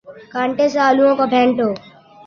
کانٹے سے آلووں کو پھینٹو